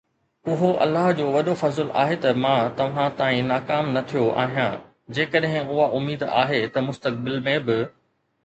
اهو الله جو وڏو فضل آهي ته مان توهان تائين ناڪام نه ٿيو آهيان، جيڪڏهن اها اميد آهي ته مستقبل ۾ به